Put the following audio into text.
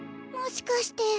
もしかして。